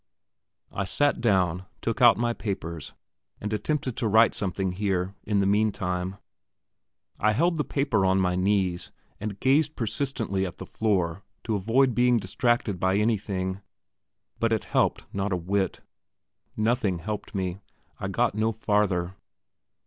I sat down, took out my papers, and attempted to write something here, in the meantime. I held the paper on my knees, and gazed persistently at the floor to avoid being distracted by anything; but it helped not a whit; nothing helped me; I got no farther.